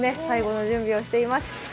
最後の準備をしています。